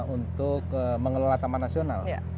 untuk mengelola taman nasional